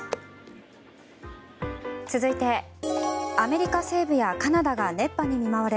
続いて、アメリカ西部やカナダが熱波に見舞われ